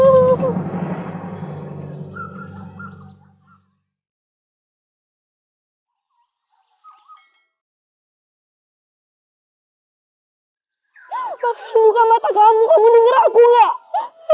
tunggu kak mata kamu kamu ngeraku gak